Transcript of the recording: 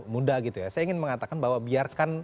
muda gitu ya saya ingin mengatakan bahwa biarkan